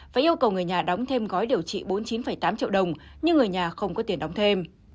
và yêu cầu người nhà đóng thêm gói điều trị bốn mươi chín tám triệu đồng nhưng người nhà không có tiền đóng thêm